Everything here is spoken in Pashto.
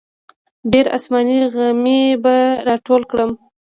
ډېر اسماني غمي به راټول کړم.